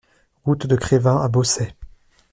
Route de Crevin à Bossey